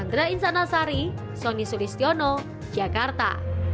kangdara insana sari sonny suristiono jakarta